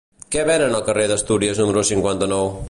Què venen al carrer d'Astúries número cinquanta-nou?